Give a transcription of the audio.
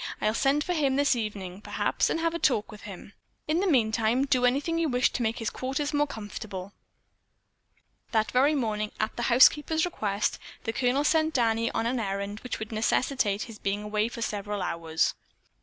I'll send for him this evening perhaps, and have a talk with him. In the meantime, do anything you wish to make his quarters more comfortable." That very morning, at the housekeeper's request, the Colonel sent Danny on an errand which would necessitate his being away for several hours.